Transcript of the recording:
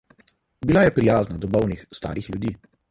Bila je prijazna do bolnih starih ljudi.